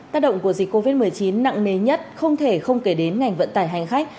tác động của dịch covid một mươi chín nặng nề nhất không thể không kể đến ngành vận tải hành khách